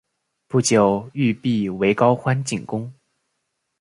不久玉壁为高欢进攻。